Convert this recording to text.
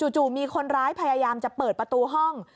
จู่มีคนร้ายพยายามจะเปิดประตูห้อง